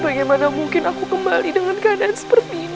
bagaimana mungkin aku kembali dengan keadaan seperti ini